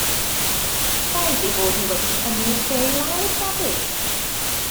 Rhaid eu bod nhw wedi tynnu'r lle i lawr, Dafydd!